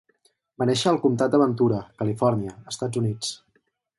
Va néixer al comtat de Ventura, Califòrnia, Estats Units.